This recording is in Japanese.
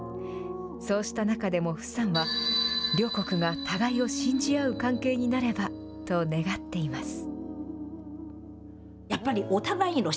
そうした中でも傅さんは、両国が互いを信じ合う関係になればと願っています。